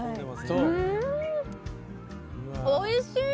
おいしい！